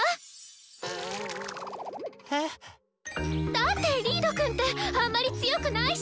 だってリードくんってあんまり強くないし！